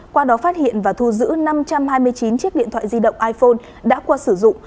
qua đó phát hiện và thu giữ năm trăm hai mươi chín chiếc điện thoại di động iphone đã qua sử dụng